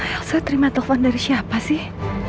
saya terima telepon dari siapa sih